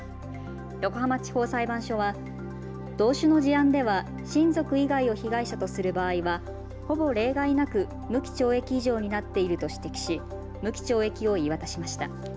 横浜地方裁判所は同種の事案では親族以外を被害者とする場合はほぼ例外なく、無期懲役以上になっていると指摘し無期懲役を言い渡しました。